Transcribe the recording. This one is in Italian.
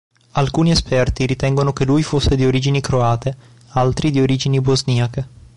Alcuni esperti ritengono che lui fosse di origini croate, altri di origini bosniache.